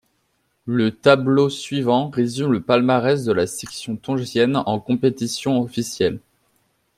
Le tableau suivant résume le palmarès de la sélection tongienne en compétitions officielles.